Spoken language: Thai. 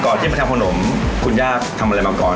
ที่มาทำขนมคุณย่าทำอะไรมาก่อน